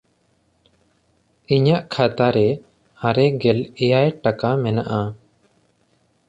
ᱤᱧᱟᱜ ᱠᱷᱟᱛᱟ ᱨᱮ ᱟᱨᱮ ᱜᱮᱞ ᱮᱭᱟᱭ ᱴᱟᱠᱟ ᱢᱮᱱᱟᱜᱼᱟ᱾